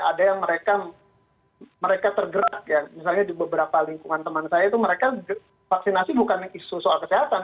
ada yang mereka tergerak ya misalnya di beberapa lingkungan teman saya itu mereka vaksinasi bukan isu soal kesehatan